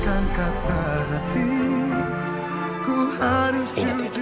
ingat ya pudewi